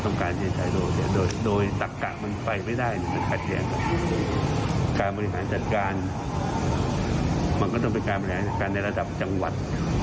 ต้องเป็นการบริหารจัดการในระดับจังหวัด